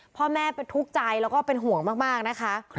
พ่อแม่ทุกข์ใจแล้วก็เป็นห่วงมากนะคะ